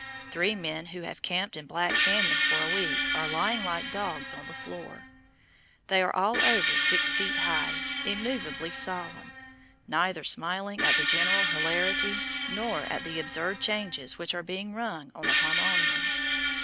Three men who have camped in Black Canyon for a week are lying like dogs on the floor. They are all over six feet high, immovably solemn, neither smiling at the general hilarity, nor at the absurd changes which are being rung on the harmonium.